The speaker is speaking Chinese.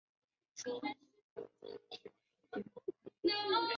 列传有二十二卷。